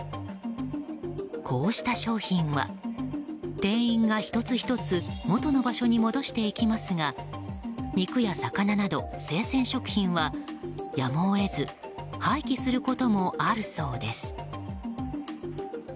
こうした商品は店員が１つ１つ元の場所に戻していきますが肉や魚など生鮮食品はやむを得ず廃棄することもあるそうです。